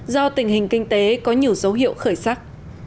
do tình hình kinh tế có nhiều dấu hiệu khởi sắc